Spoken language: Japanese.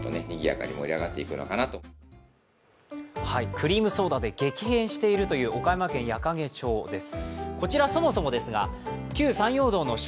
クリームソーダで激変しているという岡山県矢掛町です。